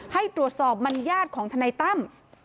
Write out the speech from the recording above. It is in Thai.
ให้ตรวจสอบมัญญาติของทนายตั้ม